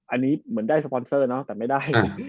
อันนี้เหมือนได้สปอนเซอร์เนอะแต่ไม่ได้